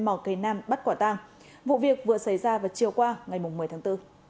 mỏ cây nam bắt quả tang vụ việc vừa xảy ra vào chiều qua ngày một mươi tháng bốn